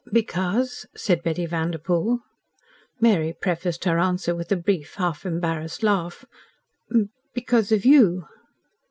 "Because?" said Betty Vanderpoel. Mary prefaced her answer with a brief, half embarrassed laugh. "Because of YOU."